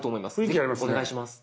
ぜひお願いします。